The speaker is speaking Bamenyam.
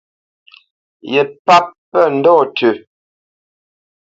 Ye páp pə́ ndɔ̂ tʉ́.